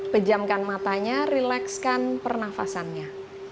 pejamkan matanya rilekskan pernafasannya